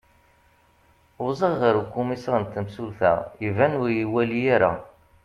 uẓaɣ ɣer ukumisar n temsulta iban ur iyi-iwali ara